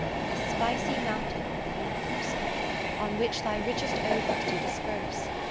A spicy mountain on the universe. On which Thy richest odours do disperse.